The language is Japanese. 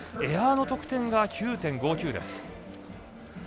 エアの得点が９．５９です。